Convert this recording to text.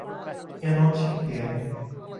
Eu não te entendo.